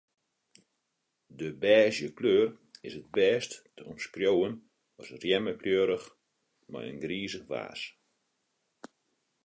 De bêzje kleur is it bêst te omskriuwen as rjemmekleurich mei in grizich waas.